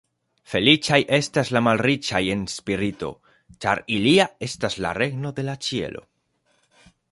Feliĉaj estas la malriĉaj en spirito, ĉar ilia estas la regno de la ĉielo.